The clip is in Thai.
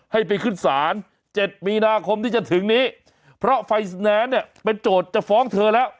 ให้ไปขึ้นศาล๗มีนาคมที่จะถึงนี้เพราะไฟสแนนซ์เนี่ยเป็นโจทย์จะฟ้องเธอแล้ว